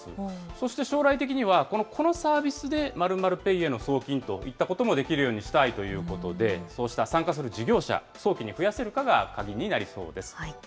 そして将来的には、このサービスで○○ペイへの送金といったこともできるようにしたいということで、そうした参加する事業者、早期に増やせるかが鍵になりそうです。